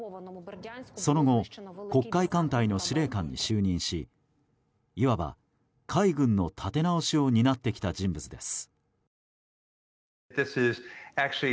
その後黒海艦隊の司令官に就任しいわば、海軍の立て直しを担ってきた人物です。